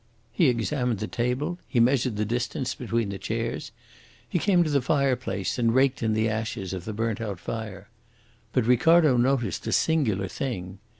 He examined the table, he measured the distance between the chairs. He came to the fireplace and raked in the ashes of the burnt out fire. But Ricardo noticed a singular thing.